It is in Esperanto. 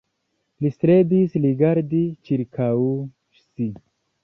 Li strebis rigardi ĉirkaŭ si.